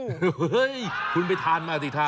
เฮ้ยคุณไปทานมาสิคะ